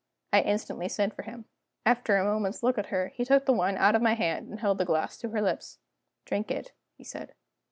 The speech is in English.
I instantly sent for him. After a moment's look at her, he took the wine out of my hand, and held the glass to her lips. "Drink it," he said.